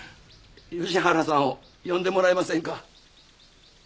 吉原さんを呼んでもらえませんか？